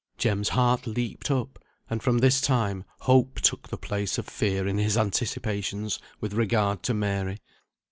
Jem's heart leaped up, and from this time hope took the place of fear in his anticipations with regard to Mary.